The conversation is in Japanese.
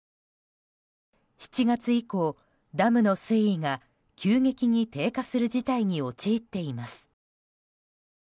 ７月以降、ダムの水位が急激に低下する事態に陥っています。